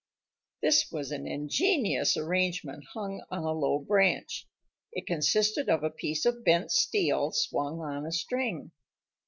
This was an ingenious arrangement hung on a low branch. It consisted of a piece of bent steel swung on a string.